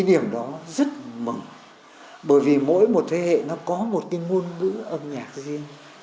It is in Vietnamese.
cái điểm đó rất mừng bởi vì mỗi một thế hệ nó có một cái ngôn ngữ âm nhạc riêng